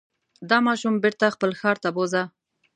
دا ماشوم بېرته خپل ښار ته بوځه.